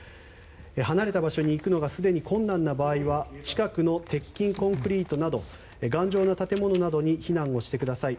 離れた場所に行くのがすでに困難な場合は近くの鉄筋コンクリートなど頑丈な建物などに避難をしてください。